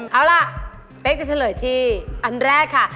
เอาล่ะเป๊กจะเฉลยที่อันแรกค่ะ